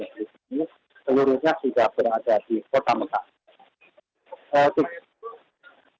para jamaah di indonesia yang dihubungkan sekitar dua ratus dua puluh jenis ini seluruhnya sudah berada di kota makkah